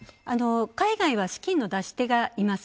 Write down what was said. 海外は資金の出し手がいます。